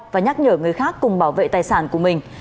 và nhắc nhở người khác cùng bảo vệ tài sản của mình